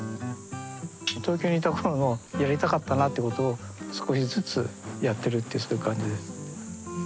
東京にいた頃のやりたかったなってことを少しずつやってるっていうそういう感じで。